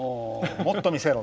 もっと見せろ。